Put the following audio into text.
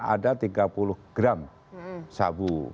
ada tiga puluh gram sabu